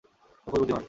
ও খুবই বুদ্ধিমান।